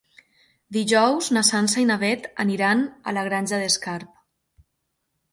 Dijous na Sança i na Beth aniran a la Granja d'Escarp.